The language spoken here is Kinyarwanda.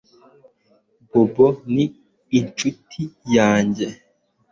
bob ni inshuti yanjye